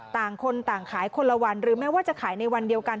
ต่างคนต่างขายคนละวันหรือแม้ว่าจะขายในวันเดียวกัน